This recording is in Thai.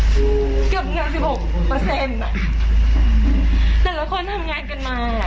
ทำงานครบ๒๐ปีได้เงินชดเฉยเลิกจ้างไม่น้อยกว่า๔๐๐วัน